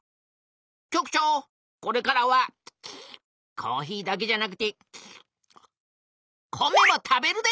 局長これからはコーヒーだけじゃなくて米も食べるで！